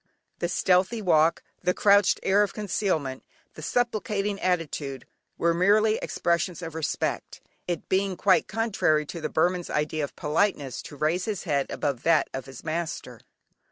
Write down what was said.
The stealthy walk, the crouched air of concealment, the supplicating attitude, were merely expressions of respect, it being quite contrary to the Burman's idea of politeness to raise his head above that of his master.